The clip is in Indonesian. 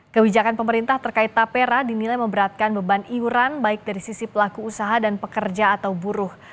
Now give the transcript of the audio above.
kebijakan pemerintah terkait tapera dinilai memberatkan beban iuran baik dari sisi pelaku usaha dan pekerja atau buruh